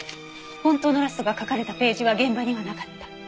本当のラストが書かれたページは現場にはなかった。